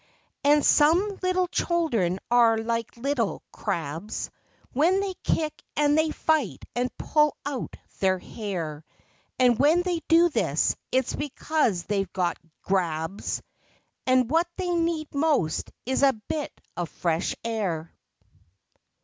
And some little children are like little crabs When they kick and they fight and pull out their hair, And when they do this, its because they've got "grabs," And what they need most is a bit of fresh air.